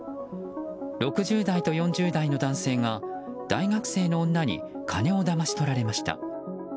６０代と４０代の男性が大学生の女に金をだまし取られました。